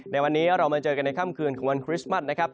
ในวันนี้เรามาเจอกันในค่ำคืนของวันคริสต์มัสนะครับ